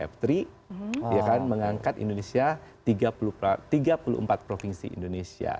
dan kemudian ya sudah ada untuk jf tiga ya kan mengangkat indonesia tiga puluh empat provinsi indonesia